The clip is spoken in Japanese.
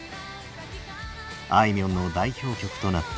あいみょんの代表曲となった。